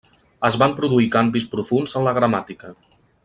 Es van produir canvis profunds en la gramàtica.